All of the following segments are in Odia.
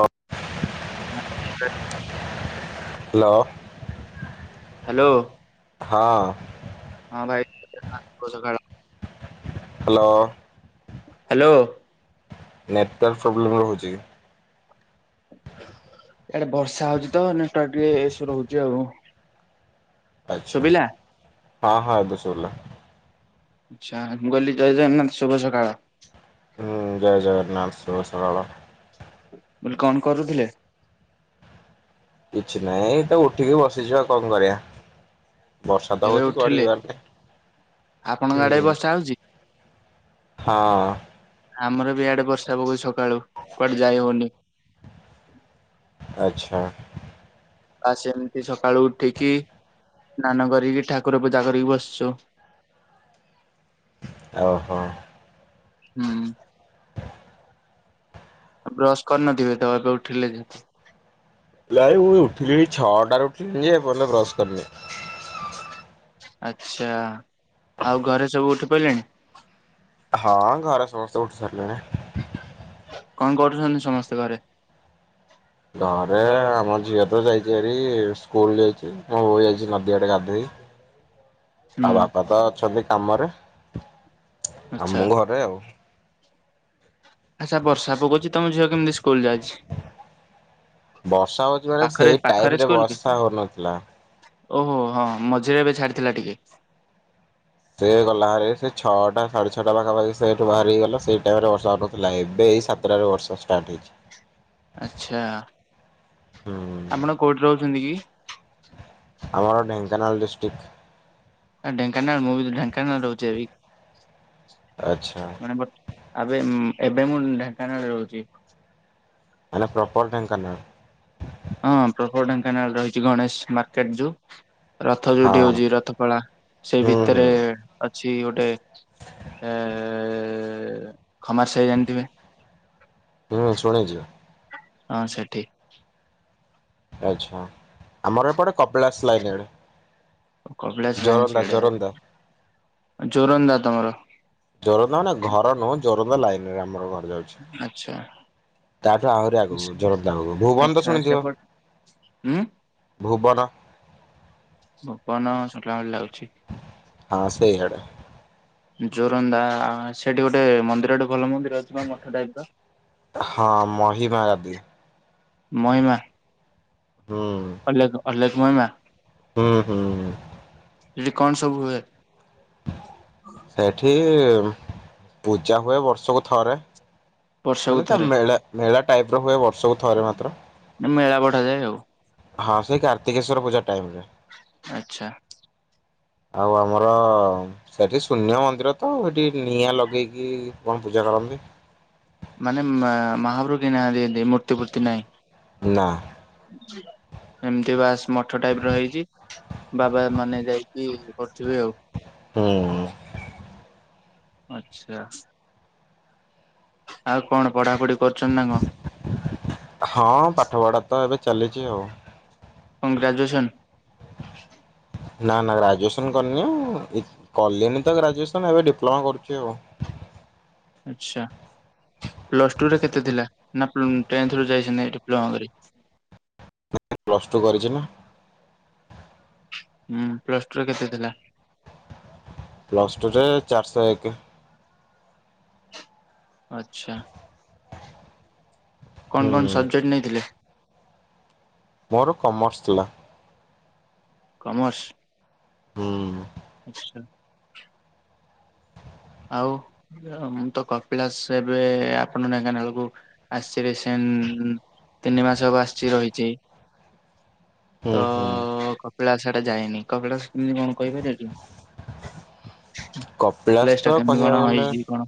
ଅ ହ୍ୟାଲୋ। ହ୍ୟାଲୋ। ହଁ। ହଁ ଭାଇ ଶୁଭ ସକାଳ। ହ୍ୟାଲୋ। ହ୍ୟାଲୋ। ନେଟୱାର୍କ ପ୍ରୋବ୍ଲେମ୍ ରହୁଛି। ଏଇଆଡେ ବର୍ଷା ହଉଛି ତ ନା ଟା ଟିକେ ଇସୁ ରହୁଛି ଆଉ। ଆଚ୍ଛା ଶୁଭିଲା ହଁ ହଁ ଏବେ ଶୁଭିଲା। ଆଚ୍ଛା ମୁଁ କହିଲି ଜୟ ଜଗନ୍ନାଥ ଶୁଭ ସକାଳ। ହୁଁ ଜୟ ଜଗନ୍ନାଥ ସୁଭ ସକାଳ। ବୋଲି କଣ କରୁଥିଲେ? କିଛି ନାଇଁ ଏଇ ତ ଉଠିକି ବସିଛି ଆଉ କଣ କରିବା। ବର୍ଷା ତ ଏବେ ହଉଛି କୁଆଡେ ଉଠିଲେ ଯିବାର ଆପଣଙ୍କ ନାଇ ଆଡେ ହୁଁ,। ବର୍ଷା ହଉଛି? ହଁ। ଆମର ବି ଇଆଡେ ବର୍ଷା ପକଉଛି ସକାଳୁ କୁଆଡେ ଯାଇ ହଉନି। ଆଚ୍ଛା। ଆ, ସେମତି ସକାଳୁ ଉଠିକି ସ୍ନାନ କରିକି ଠାକୁର ପୂଜା କରିକି ବସଛୁ। ଓହୋ। ହୁଁ। ବ୍ରଶ୍ କରିନଥିବେ ତ ଏବେ ଉଠିଲେ ଯେହେତୁ? ନାଇ ମୁଁ ଉଠିଲିଣି ଛଅଟାରୁ ଉଠିଲିଣି ଯେ ଏପନ୍ତ ବ୍ରସ୍ କରିନି। ଆଚ୍ଛା, ଆଉ ଘରେ ସବୁ ଉଠି ପଇଲେଣି? ହଁ ଘରେ ସମସ୍ତେ ଉଠି ସାରଲେଣି। କଣ କରୁଛନ୍ତି ସମସ୍ତେ ଘରେ? ଘରେ ଆମ ଝିଅ ତ ଯାଇଚି ହେରି ସ୍କୁଲ୍ ଯାଇଛି, ମୋ ବୋଉ ଯାଇଛି ନଦୀ ଆଡେ ଗାଧେଇ। ତା ହୁଁ ବାପା ତ ଅଛନ୍ତି କାମରେ, ଆଉ ଆଚ୍ଛା। ମୁଁ ଘରେ ଆଉ। ଆଚ୍ଛା, ବର୍ଷା ପକଉଛି ତୋମ ଝିଅ କେମିତି ସ୍କୁଲ୍ ଯାଇଛି? ବର୍ଷା ହଉଛି ମାନେ ପାଖରେ ସେଇ ପାଖରେ ଟାଇମ୍ ରେ ସ୍କୁଲ କି? ବର୍ଷା ହଉନଥିଲା। ଓହୋ! ହଁ ମଝିରେ ଏବେ ଛାଡିଥିଲା ଟିକେ। ସେ ଗଲା ଭାରି, ସେ ଛଅଟା ସାଢେ ଛଅଟା ପାଖାପାଖି ସେ ଏଠୁ ବାହାରିକି ଗଲା। ସେଇ ଟାଇମ୍ ରେ ବର୍ଷା ହଉ ନଥିଲା, ଏବେ ଏଇ ସା ସାତଟାରେ ବର୍ଷା ଷ୍ଟାର୍ଟ ହେଇଛି। ଆଚ୍ଛା, ହୁଁ ଆପଣ କୋଉଠି ରହୁଛନ୍ତି କି? ଆମର ଢେଙ୍କାନାଳ ଡିଷ୍ଟିକ୍। ଏ ଢେଙ୍କାନାଳ ମୁଁ ବି ତ ଢେଙ୍କାନାଳ ରହୁଚେ ବି। ଆଚ୍ଛା। ଏଣେ ବଟ୍ ଆବେ ଉଁ, ଏବେ ମୁଁ ଢେଙ୍କାନାଳରେ ରହୁଛି। ଆାନେ ପ୍ରପର୍ ଢେଙ୍କାନାଳ? ହଁ ପ୍ରପର୍ ଢେଙ୍କାନାଳ ରହିଛି ଗଣେଶ ମାର୍କେଟ୍ ଯୋଉ ରଥ ଯୋଉଠି ହଁ ହଉଛି, ରଥ ପଳା ସେଇ ହୁଁ ହୁଁ ଭିତରେ ଅଛି ଗୋଟେ ଏ, ଖମାସାଇ ଜାଣିଥିବେ? ହୁଁ, ଶୁଣିଛି ବା। ହଁ ସେଠି। ଆଚ୍ଛା, ଆମର ଏପଟେ କପିଳାସ ଲାଇନ୍ ଆଡେ। ଓ କପିଳାସ ଲାଇନ୍ ଜୋରନ୍ଦା ସିଆଡ଼େ, ଜୋରନ୍ଦା ଯୋରନ୍ଦା ତୋମର। ଯୋରନ୍ଦା ମାନେ ଘର ନୁହଁ, ଯୋରନ୍ଦା ଲାଇନ୍ ରେ ଆମର ଘର ଯାଉ ଛି, ଆଚ୍ଛା ତାଠୁ ଆହୁରି ଆଗକୁ, ଯୋରନ୍ଦା ଆଗକୁ, ଭୂବନ ତ ଆଚ୍ଛା ଶୁଣିଥିବ? ସେପଟ ଉଁ ଭୁବନ। ଭୁବନ ଶୁଣିଲା ଭଳି ଲାଗୁଛି। ହଁ ସେଇଆଡେ। ଯୋରନ୍ଦା ସେଠି ଗୋଟେ ମନ୍ଦିର ଗୋଟେ ଭଲ ମନ୍ଦିର ଅଛି ନା ମଠ ଟାଇପ୍ ର? ହଁ ମହିମା ଗାଦି। ମହିମା? ହୁଁ। ଅଲେ [unintelligible] ହୁଁ ହୁଁ। ଯଠି କଣ ସବୁ ହୁଏ। ସେଇଠି ପୂଜା ହୁଏ ବର୍ଷକୁ ଥରେ ବର୍ଷକୁ ମାନେ ତା ଥରେ ମେଳା ମେଳା ଟାଇପ ର ହୁଏ ବର୍ଷକୁ ଥରେ ମାତ୍ର। ମେଳା ବଢାଯାଏ ଆଉ ହଁ ସେଇ କାର୍ତିକେଶ୍ଵର ପୂଜା ଟାଇମ ରେ। ଆଚ୍ଛା। ଆଉ ଆମର ସେଠି ଶୂନ୍ୟ ମନ୍ଦିର ତ ସେଠି ନିଆଁ ଲଗେଇକି କଣ ପୂଜା କରନ୍ତି। ମାନେ ମହାଭୃଗୀ ନାଁ ଦିଅନ୍ତି ମୂର୍ତ୍ତି ଫୂର୍ତ୍ତି ନାହିଁ। ନା। ଏମିତି ବାସ୍ ମଠ ଟାଇପ ର ହେଇଛି ବାବା ମାନେ ଯାଇକି। କରିିବ ଆଉ। ହୁଁ। ଆଚ୍ଛା। ଆଉ କଣ ପଢାପଢି କରୁଛନ୍ତି ନା ସାଙ୍ଗ। ହଁ ପାଠ ପଢା ତ ଏବେ ଚାଲିଛି ଆଉ। କଂଗ୍ରେଜୁଏସନ୍? ନା ନା ଗ୍ରାଜୁଏସନ କରିନି ଆଉ କଲେନି ତ ଗ୍ରାଜୁଏସନ ଏବେ ଡିପ୍ଲୋମା କରୁଛି ଆଉ। ଆଚ୍ଛା ପ୍ଲସ୍ ଟୁରେ କେତେ ଥିଲା ନା ଟେନ୍ଥରୁ ଯାଇଛନ୍ତି ଡିପ୍ଲୋମା କରି? ପ୍ଲସ୍ ଟୁ କରିଛି ନା। ହୁଁ ପ୍ଲସ ଟୁ ର କେତେ ଥିଲା? ପ୍ଲସ୍ ଟୁରେ ଚାରିଶହ ଏକ। ଆଛା ହୁଁ କଣ କଣ ସବଜେକ୍ଟ ନେଇଥିଲେ? ମୋର କମର୍ସ ଥିଲା। କମର୍ସ। ହୁଁ। ଆଚ୍ଛା। ଆଉ ମୁଁ ତ କପିଳାସ ଏବେ ଆପଣ ନଙ୍କାନ ବେଳକୁ। ଆସିଛି ସେ ତିନି ମାସ ହବ ଆସିଛି ରହିଛି। ହୁଁ ହୁଁ। କପଳା ସେଟା ଯାନି କପିଳା କେମିତି କଣ କହିପାର। କପିଳାସ ପ୍ଲେସ ଟା ତ କେମିତି କଣ କହିବାକୁ ଗଲେ ହେଇଛି କଣ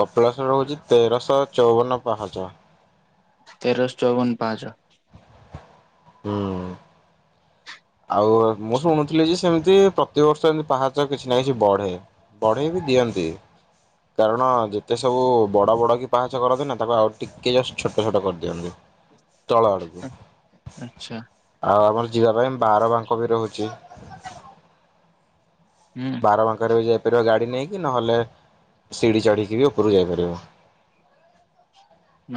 କପିଳାସ ରହୁଛି ତେରଶହ ଚଉବନ ପାହାଚ। ତେରଶହ ଚଉବନ ପାହାଚ। ହୁଁ। ଆଉ ମୁଁ ଶୁଣୁଛି। ଥିଲେ ଯେ ସେମିତି ପ୍ରତିବର୍ଷ ଏମିତି ପାହାଚ କିଛି ନା କିଛି ବଢ଼େ ବଢେଇ ବି ଦିଅନ୍ତି। କାରଣ ଯେତେ ସବୁ ବଡ଼ ବଡ଼ କି ପାହାଚ କରନ୍ତି ନା ତାକୁ ଆଉ ଟିକେ ଜଷ୍ଟ ଛୋଟ ଛୋଟ କରିଦିଅନ୍ତି। [inaudible] ତଳ ଆଡ଼କୁ ଆଚ୍ଛା ଆଉ ଆମର ଯିବା ପାଇଁ ବାର ବାଙ୍କ ବି ରହୁଛି। ହୁଁ ବାର ବାଙ୍କରେ ବି ଯାଇପାରିବ ଗାଡି ନେଇକି ନହେଲେ ସିଡିି ଚଢ଼ିକି ବି ଉପରକୁ ଯାଇପାରିବ।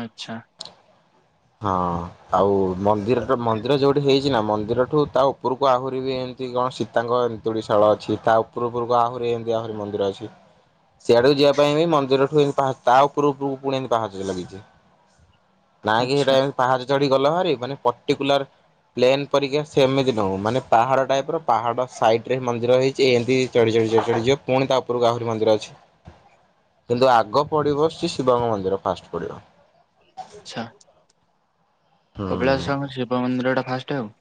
ଆଚ୍ଛା। ହଁ ଆଉ ମନ୍ଦିର ମନ୍ଦିର ଯୋଉଠି ହେଇଛି ନା ମନ୍ଦିରଠୁ ତା ଉପରକୁ ଆହୁରି ବି କଣ ସୀତାଙ୍କ ଏନ୍ତୁଡ଼ି ସ୍ଥଳ ଅଛି ତା ଉପର ଉପରକୁ ଆହୁରି ଏମିତି ଆହୁରି ମନ୍ଦିର ଅଛି। ସେଆଡକୁ ଯିବା ପାଇଁ ବି ମନ୍ଦିର ଠୁ ତା ଉପୁରୁ ଉପୁରୁକୁ ପୁଣି ଏମିତି ପାହାଚ ଲାଗିଚି। ନାଇଁ କି ହେଇଟା ଆଚ୍ଛା ଏମତି ପାହାଚ ଚଢି ଗଲ ଭାରି ମାନେ ପର୍ଟିକୁଲାର ପ୍ଲେନ୍ ପରୀକା ସେମିତି ନୁହୁଁ। ମାନେ ପାହାଡ଼ ଟାଇପ୍ ର ପାହାଡ଼ ସାଇଟ୍ ରେ ମନ୍ଦିର ହେଇଚି ଏନ୍ତି ଚଢି ଚଢି ଚଢି ଯିବ, ପୁଣି ତା ଉପରୁକୁ ଆହୁରି ମନ୍ଦିର ଅଛି। ହୁଁ କିନ୍ତୁ ଆଗ ପଡିବ ଶି ଶିବ ଙ୍କ ମନ୍ଦିର ଫାଷ୍ଟ ପଡିବ। ଆଚ୍ଛା। କପିଳାସ ହୁଁ। ତ ଆମ ଶିବ ମନ୍ଦିର ଟା ଫାଷ୍ଟ ଆଉ।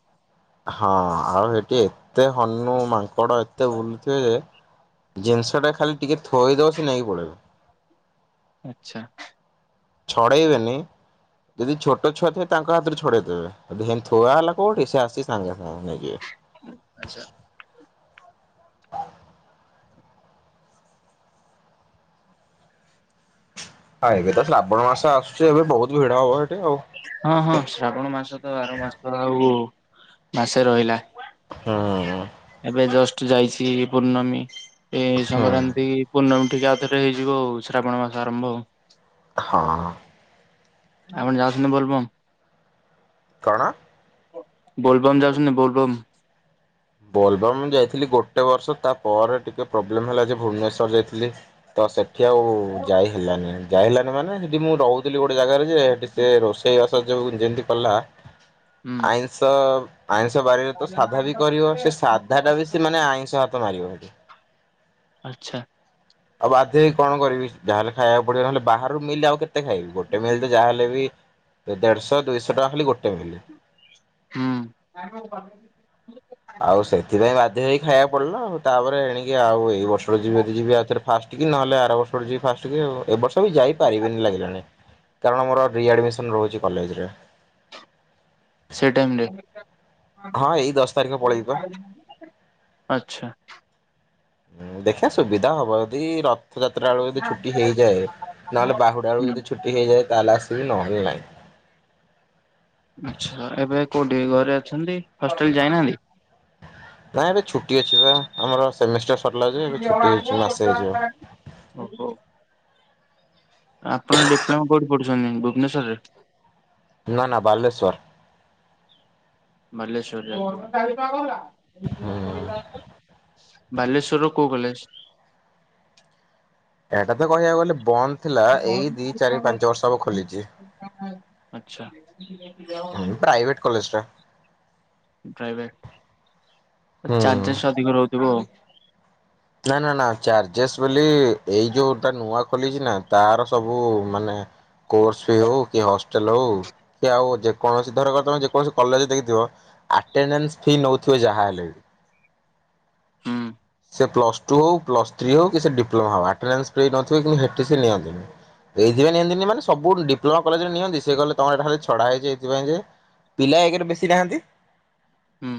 ହଁ। ଆଉ ହେଠି ଏତେ ହନୁ ମାଙ୍କଡ ଏତେ ବୁଲୁଥିବେ ଯେ ଜିନିଷଟା ଖାଲି ଟିକେ ଖାଲି ଥୋଇଦବ ସେ ନେଇକି ପଳେଇବେ। ଆଚ୍ଛା। ଛଡେଇବେନି। ଯଦି ଛୋଟ ଛୁଆ ଥିବେ ତାଙ୍କ ହାତରେ ଛଡେଇଦେବେ। କିନ୍ତୁ ଥୁଆ ହେଲା କୋଉଠି ସେ ଆସି ସାଙ୍ଗେ ସାଙ୍ଗେ ନେଇଯିବେ। ଆଚ୍ଛା। ଆ ଏବେ ତ ଶ୍ରାବଣ ମାସ ଆସୁଚି ଏବେ ବହୁତ୍ ଭିଡ ହବ ହେଠି ଆଉ। ହଁ ହଁ ଶ୍ରାବଣ ମାସ ତ ଆର ମାସ [unintelligible] ଆଉ ମାସେ ରହିଲା। ହୁଁଁ। ଏବେ ଜଷ୍ଟ ଯାଇଚି ପୂର୍ଣ୍ଣମୀ ଏ ହୁଁ ସଂକ୍ରାନ୍ତି ପୂର୍ଣ୍ଣମୀ ଟିକି ଆଉଥରେ ହେଇଯିବ ଆଉ ଶ୍ରାବଣ ମାସ ଆରମ୍ଭ ଆଉ। ହଁ। ଆପଣ ଯାଉଛନ୍ତି ବୋଲବମ୍? କଣ? ବୋଲବମ୍ ଯାଉଛନ୍ତି ବୋଲବମ୍? ବୋଲବମ୍ ଯାଇଥିଲି ଗୋଟେ ବର୍ଷତା ପରେରେ ଟିକେ ପ୍ରୋବ୍ଲେମ ହେଲା ଯେ ଭୁବନେଶ୍ଵର ଯାଇଥିଲି। ତ ସେଠି ଆଉ ଯାଇ ହେଲାନି। ଯାଇ ହେଲାନି ମାନେ ସେଠି ମୁଁ ରହୁଥିଲି ଗୋଟେ ଜାଗାରେ ଯେ ହେଠି ସେ ରୋଷେଇବାସ ଯଉ ଯେମତି କଲା ହୁଁ ଆଇଁଷ ଆଇଁଷ ବାରିରେ ତ ସାଧା ବି କରିବ। ସେ ସାଧା ଟା ବି ସେ ମାନେ ଆଇଁଷ ହାତ ମାରିବ ହେଠି। ଆଚ୍ଛା। ଆଉ ବାଧ୍ୟ ହେଇ କଣ କରିବି ଯାହେଲେ ଖାଇବାକୁ ପଡିବ ନହେଲେ ବାହାରୁ ମିଲ୍ ଆଉ କେତେ ଖାଇବି ଗୋଟେ ମିଲ୍ ତ ଯାହାହେଲେ ବି ଏ ଦେଢଶ ଦୁଇଶ ଟଙ୍କା ଖାଲି ଗୋଟେ ମିଲ୍। ହୁଁ। ଆଉ ସେଥିପାଇଁ ବାଧ୍ୟ ହେଇକି ଖାଇବା ପଡିଲା ଆଉ। ତାପରେ ଏଣିକି ଆଉ ଏଇ ବର୍ଷ ଠୁ ଯିବି ଯଦି ଯିବି ଆଉଥରେ ଫାଷ୍ଟ ନହେଲେ ଆର ବର୍ଷ ଠୁ ଯିବ ଫାଷ୍ଟ କିରି। ଏ ବର୍ଷ ବି ଯାଇପାରିବିନି ଲାଗିଲାଣି। କାରଣ ମୋର ରିଆଡ଼ମିସନ୍ ରହୁଚି କଲେଜରେ। ସେଇ ଟାଇମରେ, ହଁ ଏଇ ଦଶ ତାରିଖ ପଳେଇବି ପା। ଆଚ୍ଛା। ଦେଖିଆ ସୁବିଧା ହବ ଯଦି ର ରଥଯାତ୍ରା ବେଳୁ କୁ ଯଦି ଛୁଟି ହେଇଯାଏ, ନହେଲେ ବାହୁଡ଼ା ବେଳକୁ ହୁଁ ଯଦି ଛୁଟି ହୋଇଯାଏ ତାହେଲେ ଆସିବି। ନହେଲେ ନାଇଁ। ଆଚ୍ଛା। ଏବେ କୋଉଠି ଘରେ ଅଛନ୍ତି ହଷ୍ଟେଲ ଯାଇନାହାନ୍ତି? ନାଇଁ ଏବେ ଛୁଟି ଅଛି ବା। ଆମର ସେମିଷ୍ଟର ସରିଲା ଯେ ଏବେ ଛୁଟି ହେଇଚି ମାସେ ହେଇଯିବ। ଓହୋ। ଆ ଆପଣ ଡିପ୍ଲୋମ କୋଉଠି ପଢୁଛନ୍ତି ଭୁବନେଶ୍ୱରରେ? ନା ନା ବାଲେଶ୍ଵର। ବାଲେଶ୍ଵରରେ। ହୁଁ ବାଲେଶ୍ବରର କୋଉ କଲେଜ? ଏଟା ତ କହିବାକୁ ଗଲେ ବନ୍ଦ ଥିଲା। ଏଇ ଦି ଚାରି ପାଞ୍ଚ ବର୍ଷ ହବ ଖୋଲିଚି। [unintelligible] ଆଚ୍ଛା। ହୁଁ, ପ୍ରାଇଭେଟ କଲେଜ ଟା ପ୍ରାଇଭେଟ ହୁଁ। ଚାର୍ଜେସ୍ ଅଧିକ ରହୁଥିବ ଆଉ। ନା ନା ନା ଚାର୍ଜେସ୍ ବୋଲି ଏଇ ଯୋଉଟା ନୂଆ ଖୋଲିଛି ନା ତାର ସବୁ ମାନେ କୋର୍ସ ଫି ହଉ କି ହଷ୍ଟେଲ୍ ହଉ। କି ଆଉ ଯେକୌଣସି ଧର ତମେ ଯେକୌଣସି କଲେଜଜ୍ ଦେଖିଥିବ। ଆଟେନାନ୍ସ ଫି ନଉଥିବେ ଯାହାହଲେ ବି। ହୁଁ। ସେ ପ୍ଲସ୍ ଟୁ ହଉ ପ୍ଲଥ୍ରୀ ହଉ କି ସେ ଡିପ୍ଲମା ହଉ ଆଟେନାନ୍ସ ଫି ନଉଥିବ କିନ୍ତୁ ହେଠି ସେ ନିଅନ୍ତିନି। ଏଇଥିପାଇଁ ନିଅନ୍ତିନି ମାନେ ସବୁ ଡିପ୍ଲମା କଲେଜରେ ନିଅନ୍ତି ସେ କହିଲେ ତମର ଏଟା ଖାଲି ଛଡା ହେଇଛି ଏଇଥିପାଇଁ ଯେ ପିଲା ଏକ୍ ରେ ବେଶୀ ନାହାନ୍ତି। ହୁଁ।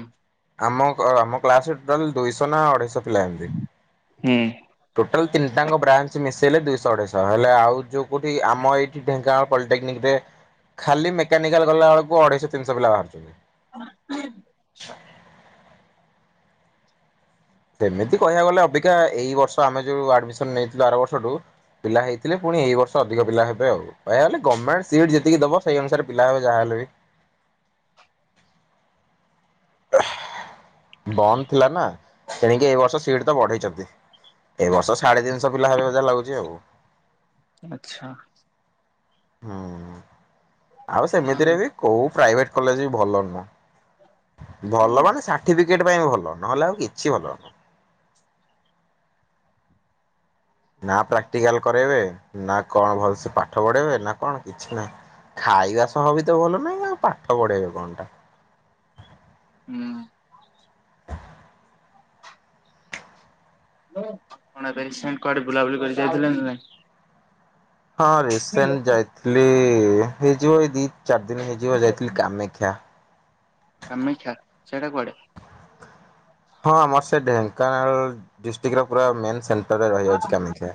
ଆମ ଆମ କ୍ଲାସ୍ ରେ ଟୋଟାଲ୍ ଦୁଇଶହ ନା ଅଢେଇଶହ ପିଲା ହେବେ। ହୁଁ। ଟୋଟାଲ୍ ତିନିଟାଙ୍କ ବ୍ରାଞ୍ଚ ମିଶେଇଲେ ଦୁଇଶହ ଅଢ଼େଇଶହ ହେଲେ ଆଉ ଯଉଁଠି ଆମ ଏଇ ଢେଙ୍କାନାଳ ପଲିଟେକନିକ ରେ ଖାଲି ମେକାନିକାଲ ଗଲା ବେଳକୁ ଅଢେଇଶହ ତିନିଶହ ପିଲା ବାହାରୁଛନ୍ତି। ଆଚ୍ଛା। ସେମିତି କହିବାକୁ ଗଲେ ଅବିକା ଏଇ ବର୍ଷ ଆମେ ଯୋଉ ଆଡମିସନ ନେଇଥିଲୁ ଆର ବର୍ଷଠୁ ପିଲା ହେଇଥିଲେ ପୁଣି ଏଇ ବର୍ଷ ଅଧିକ ପିଲା ହେବେ ଆଉ କହିବାକୁ ଗଲେ ଗମେନ୍ଟ ସିଟ୍ ଯେତିକି ଦବ ସେଇ ଅନୁସାରେ ପିଲା ହବେ ଯାହା ହେଲେ ବି। ବନ୍ଦ ଥିଲା ନା ଏଣିକି ଏଇ ବର୍ଷ ସିଟ୍ ତ ବଢେଇଛନ୍ତି। ଏଇ ବର୍ଷ ସାଢେ ତିିନିଶହ ପିଲା ହେବେ ମତେ ଯାହା ଲାଗୁଛି ଆଉ। ଆଛା। ହୁଁ ଆଉ ସେମିତିରେ ବି କୋଉ ପ୍ରାଇଭେଟ୍ କଲେଜ୍ ବି ଭଲ ନୁହଁ। ହୁଁ ଭଲ ମାନେ ସାର୍ଟିଫିକେଟ ପାଇଁ ଭଲ ନହେଲେ ଆଉ କିଛି ଭଲ ନୁହଁ। ନା ପ୍ରାକ୍ଟିକାଲ କରେଇବେ ନା କଣ ଭଲସେ ପାଠ ପଢେଇବେ ନା କଣ କିଛି ନାହିଁ। ଖାଇବା ସହବି ତ ଭଲ ନାହିଁ ଆଉ ପାଠ ପଢେଇବେ କଣ ଟା। ହୁଁ। ଏବେ ରିସେଣ୍ଟ କୁଆଡେ ବୁଲାବୁଲି କରି ଯାଇଥିଲ ନା ନାଇଁ? ହଁ ରିସେଣ୍ଟ ଯାଇଥିଲି ହେଇଯିବ ଏଇ ଦି ଚାରି ଦିନ ହେଇଯିବ ଯାଇଥିଲି କାମାକ୍ଷା। କାମାକ୍ଷା ସେଟା କୁଆଡେ? ହଁ ଆମର ସେ ଢେଙ୍କାନାଳ ଡିଷ୍ଟ୍ରିକ୍ଟର ପୁରା ମେନ୍ ସେଣ୍ଟରରେ ରହିଯାଉଛି କାମାକ୍ଷା।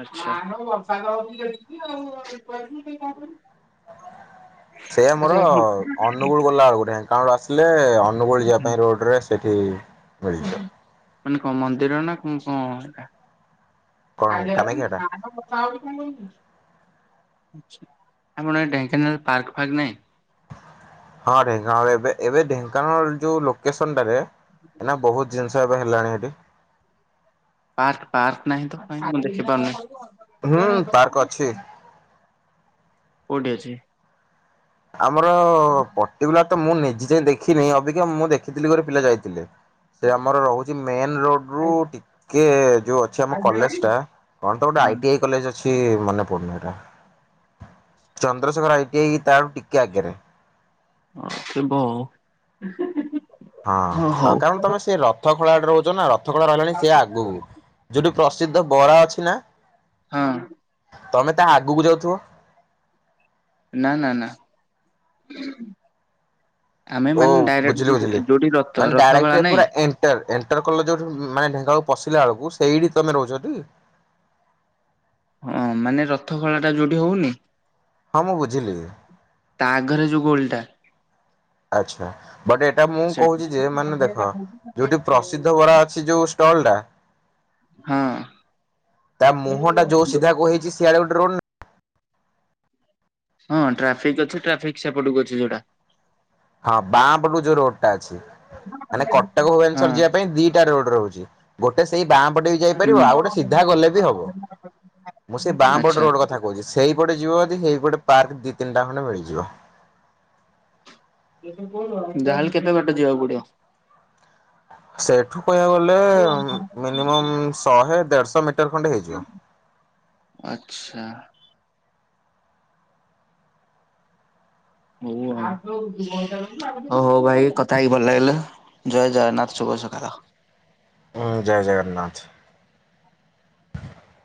ଆଚ୍ଛା। ସେ ଆମର ଅନୁଗୁଳ ଗଲା ବେଳକୁ ଢେଙ୍କାନାଳ ଆସିଲେ ଅନୁଗୁଳ ଯିବା ପାଇଁ ରୋଡ ରେ ସେଠି ମାନେ କଣ ମନ୍ଦିର ନା କ କଣ ସେଟା? କଣ [inaudible] ଆପଣ କାମାକ୍ଷାଟା? ଢେଙ୍କାନାଳରେ ପାର୍କ ଫାର୍କ ନାଇଁ? ହଁରେ ହଁ ଏବେ ଢେଙ୍କାନାଳରେ ଯେଉ ଲୋକେସନ ଟାରେ ଏଇନା ବହୁତ ଜିନିଷ ସେବେ ହେଲାଣି ଏଠି। ପାର୍କ ପାର୍କ ନାହିଁ ତ କାଇଁ ମୁଁ ଦେଖି ପାରୁନି। ହୁଁ ପାର୍କ ଅଛି। କୋଉଠି ଅଛି? ଆମର ପର୍ଟିକୁଲାର ତ ମୁଁ ନିଜେ ଯାଇଁ ଦେଖିନି ଅବିକା ମୁଁ ଦେଖିଥିଲି ମୋର ପିଲା ଯାଇଥିଲେ ସେ ଆମର ରହୁଛି ମେନ ରୋଡ ରୁ ଟିକେ ଯୋଉ ଅଛି ଆମ କଲେଜଟା କଣ ତ ଗୋଟେ ହଁ ଆଇଟିଆଇ କଲେଜ୍ ଅ ସିଏ ମନେ ପଡୁନି ଏଇଟା ଚନ୍ଦ୍ରଶେଖର ଆଇଟିଆଇ ତାଠୁ ଟିକେ ଆଗରେ ହ ସେ ଥିବ ଆଉ ହଁ କାରଣ ତମେ ସେ ରଥ ଖୋଳାଟେ ରହୁଛ ନା ରଥ ଖୋଳା ରହିଲାଣି ସେ ଆଗକୁ। ଯୋଉଠି ପ୍ରସିଦ୍ଧ ବରା ଅଛି ନା। ହଁ। ତମେ ତାହା ଆଗକୁ ଯାଉଥିବ। ନା ନା ନା। ଆମେ ଓ ମାନେ ଡାଇରେକ୍ଟ ବୁଝିଲି ଯଉଠ ବୁଝିଲି। ଯୋଉଠି ରଥ ମାନେ ରଥ ଡାଇରେକ୍ଟ ଭଳା ନାଇଁ। ପୁରା ଏଣ୍ଟର ଏଣ୍ଟର କଲେ ଯଉଠି ମାନେ ଢେଙ୍କାଳ ପଶିଲା ବେଳକୁ ସେଇଠି ତମେ ରହୁଛଟି। ହଁ ମାନେ ରଥଖଳାଟା ଯୋଉଠି ହଉନି। ହଁ ମୁଁ ବୁଝିଲି। ତା ଆଗରେ ଯୋଉ ଗୋଲଟା। ଆଚ୍ଛା ବଟ୍ ଏଇଟା ମୁଁ ସେଠି କହୁଛି ଯେ ମାନେ ଦେଖ ଯୋଉଠି ପ୍ରସିଦ୍ଧ ବରା ଅଛି ଯୋଉ ଷ୍ଟଲଟା ହଁ। ତା ମୁହଁଟା ଯୋଉ ସିଧାକୁ ହେଇଛି [unintelligible] ହଁ ଟ୍ରାଫିକ୍ ଅଛି ଟ୍ରାଫିକ୍ ସେପଟକୁ ଅଛି ଯୋଉଟା। ହଁ ବାଁ ପଟୁ ଯୋଉ ରୋଡଟା ଅଛି ମାନେ କଟକ ହଁ। ଭୁବନେଶ୍ଵର ଯିବା ପାଇଁ ଦି ରୋଡ ରହୁଛି ଗୋଟେ ସେଇ ବାଁ ପଟେ ବି ଯାଇପାରିବ ଆଉ ଗୋଟେ ସିଧା ଗଲେ ବି ହବ, ମୁଁ ସେ ବା ହୁଁ ବାଁ ପଟ ଆଚ୍ଛା। ରୋଡ କଥା କହୁଚି ସେଇପଟେ ଯିବ ଯଦି ସେଇ ଗୋଟେ ପାର୍କ ଦି ତିନିଟା ଖଣ୍ଡେ ମିଳିଯିବ। ଯାହାହେଲେ କେତେ ବାଟ ଯିବାକୁ ପଡିବ? ସେଠୁ କହିବାକୁ ଗଲେ ମିନିମମ୍ ଶହେ ଦେଢ଼ଶହ ମିଟର ଖଣ୍ଡେ ହେଇଯିବ। ଆଛା। ହ ହ ହଉ ଭାଇ କଥା ହେଇକି ଭଲ ଲାଗିଲା। ଜୟ ଜଗନ୍ନାଥ ଶୁଭ ସକାଳ। ଜୟ ଜଗନ୍ନାଥ।